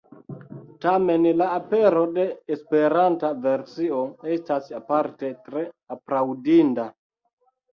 Tamen la apero de esperanta versio estas aparte tre aplaŭdinda.